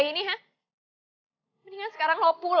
mendingan sekarang lo pulang karena gue gak ada waktu buat lo